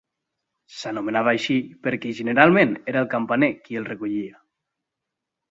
S'anomenava així perquè generalment era el campaner qui el recollia.